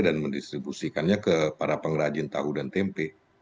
dan mendistribusikannya ke para pengrajin tautp